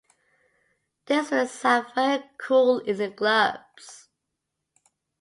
This will sound very cool in the clubs.